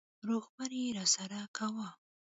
روغبړ يې راسره کاوه.